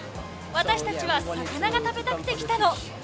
私たちは魚が食べたくて来たの。